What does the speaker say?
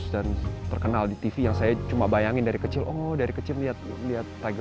dan terkenal di tv yang saya cuma bayangin dari kecil oh dari kecil lihat lihat tiger